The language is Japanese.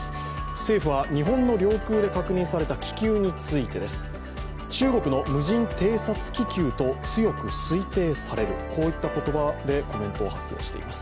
政府は日本の領空で確認された気球について、中国の無人偵察気球と強く推定される、こういった言葉でコメントを発表しています。